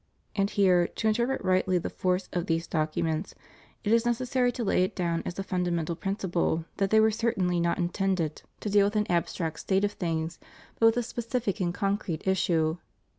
And here, to intei prete rightly the force of these docu ments, it is necessary to lay it down as a fundamental principle that they were certainly not intended to deal ANGLICAN ORDERS. 395 with an abstract state of things, but with a specific and concrete issue.